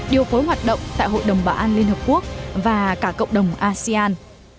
điều phối hoạt động tại hội đồng bảo an liên hợp quốc và cả cộng đồng asean